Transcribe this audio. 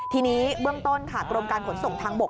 ทีนี้เบื้องต้นค่ะกรมการขนส่งทางบก